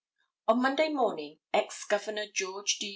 On Monday morning Ex Governor George D.